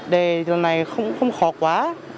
đề thi năm nay không khó quá